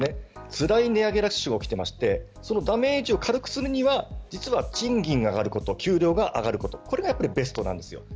つらい値上げラッシュが起きていましてそのダメージを軽くするには賃金が上がること給料が上がることこれがベストです。